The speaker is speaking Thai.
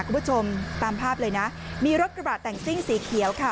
คุณผู้ชมตามภาพเลยนะมีรถกระบะแต่งซิ่งสีเขียวค่ะ